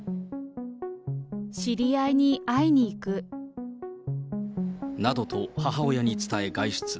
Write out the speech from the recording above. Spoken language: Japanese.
知り合いに会いに行く。などと母親に伝え外出。